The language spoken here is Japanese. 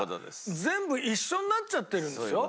全部一緒になっちゃってるんですよ。